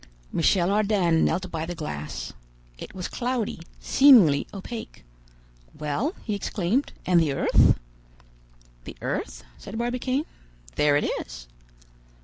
Michel Ardan knelt by the glass. It was cloudy, seemingly opaque. "Well!" he exclaimed, "and the earth?" "The earth?" said Barbicane. "There it is."